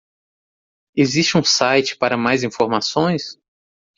Existe um site para mais informações?